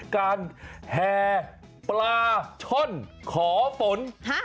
แห่ปลาช่อนขอฝน